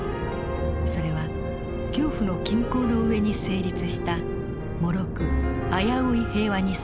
それは恐怖の均衡の上に成立したもろく危うい平和にすぎない。